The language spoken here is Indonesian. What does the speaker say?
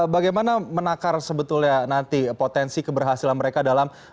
bagaimana menakar sebetulnya nanti potensi keberhasilan mereka dalam